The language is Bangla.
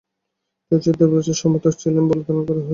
তিনি মিত্রশক্তির পক্ষের সমর্থক ছিলেন বলে ধারণা করা হয়।